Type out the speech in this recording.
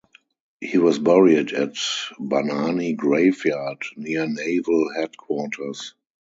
He was buried at Banani graveyard near Naval Headquarters.